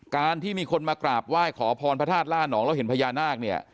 การที่มีคนมากราบไหว้ขอพรพระธาตุล่านองแล้วเห็นพญานาคเนี่ย